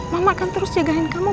mama akan terus jagain kamu